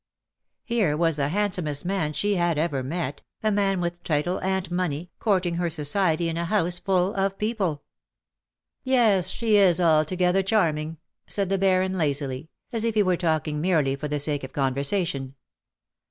Here was the handsomest man she had ever met, a man with title and money, courting her society in a house full of people. " Yes, she is altogether charming/^ said the Baron lazily, as if he were talking merely for the sake of conversation.